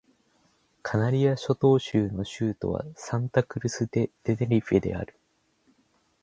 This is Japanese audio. カナリア諸島州の州都はサンタ・クルス・デ・テネリフェである